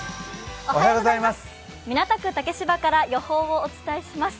港区竹芝から予報をお伝えします。